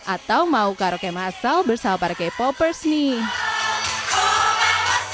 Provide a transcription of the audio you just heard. atau mau karaoke massal bersama para k popers nih